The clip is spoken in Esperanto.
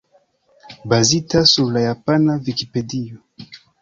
Bazita sur la japana Vikipedio.